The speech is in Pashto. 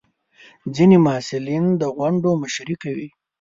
ځینې محصلین د غونډو مشري کوي.